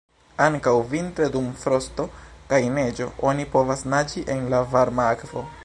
Ankaŭ vintre dum frosto kaj neĝo oni povas naĝi en la varma akvo.